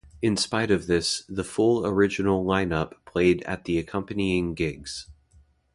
In spite of this, the full original line-up played at the accompanying gigs.